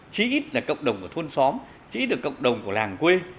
chí ít là cộng đồng của thôn xóm chí ít là cộng đồng của làng quê